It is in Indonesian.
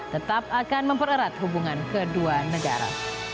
tetap akan mempererat hubungan kedua negara